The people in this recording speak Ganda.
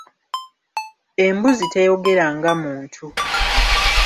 Embuzi teyogera nga muntu.